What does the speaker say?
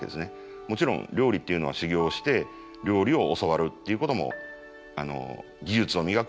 もちろん料理っていうのは修業して料理を教わるっていうことも技術を磨くっていうこともあるんですけど。